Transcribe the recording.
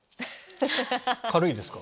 軽いですか？